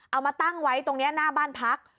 เอามาตั้งไว้ตรงนี้หน้าบ้านพัก